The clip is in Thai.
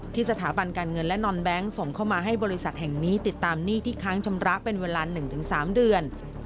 สถาบันการเงินและนอนแบงค์ส่งเข้ามาให้บริษัทแห่งนี้ติดตามหนี้ที่ค้างชำระเป็นเวลา๑๓เดือน